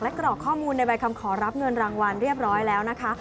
กรอกข้อมูลในใบคำขอรับเงินรางวัลเรียบร้อยแล้วนะคะ